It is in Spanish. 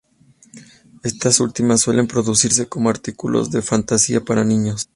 Estas últimas suelen producirse como artículos de fantasía para niños.